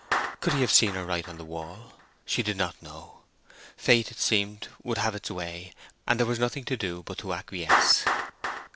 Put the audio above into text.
Could he have seen her write on the wall? She did not know. Fate, it seemed, would have it this way, and there was nothing to do but to acquiesce.